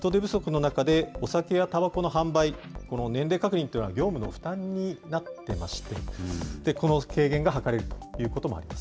人手不足の中でお酒やたばこの販売、この年齢確認というのは業務の負担になってまして、この軽減が図れるということもあります。